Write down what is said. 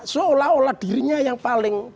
seolah olah dirinya yang paling